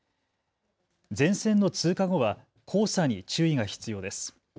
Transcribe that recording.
前線の通過後は黄砂に注意が必要です。